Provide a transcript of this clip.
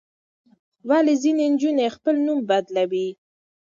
ولې ځینې نجونې خپل نوم بدلوي؟